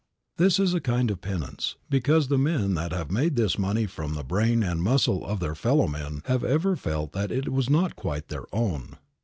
This is a kind of penance, because the men that have made this money from the brain and muscle of their fellow men have ever felt that it was not quite their own.